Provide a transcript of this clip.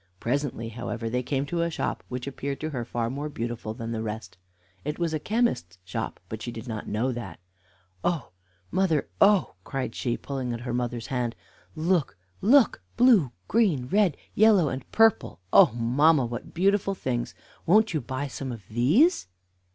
Presently, however, they came to a shop, which appeared to her far more beautiful than the rest. It was a chemist's shop, but she did not know that. "Oh, mother, oh!" cried she, pulling her mother's hand, "look, look! blue, green, red, yellow, and purple! Oh, mamma, what beautiful things! Won't you buy some of these?"